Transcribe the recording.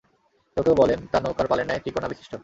কেউ কেউ বলেন, তা নৌকার পালের ন্যায় ত্রিকোণা বিশিষ্ট।